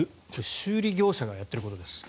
修理業者がやっていることです。